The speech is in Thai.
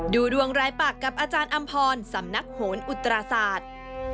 ดูดวงรายปากกับอาจารย์อำพรสำนักโหนอุตราศาสตร์